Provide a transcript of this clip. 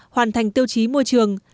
hoàn thành tiêu chí môi trường